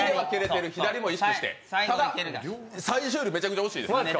ただ、最初より、めちゃくちゃおしいです。